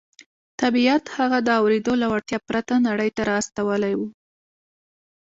طبیعت هغه د اورېدو له وړتیا پرته نړۍ ته را استولی و